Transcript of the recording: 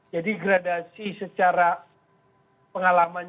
jadi gradasi secara pengalamannya